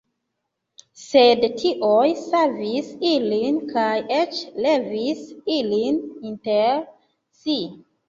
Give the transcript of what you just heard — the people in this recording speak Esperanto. Sed dioj savis ilin kaj eĉ levis ilin inter si.